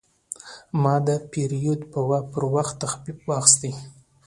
ما د پیرود پر وخت تخفیف واخیست.